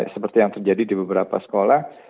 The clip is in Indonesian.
seperti yang terjadi di beberapa sekolah